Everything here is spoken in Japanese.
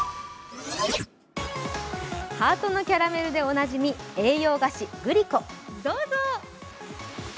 ハートのキャラメルでおなじみ栄養菓子、グリコ。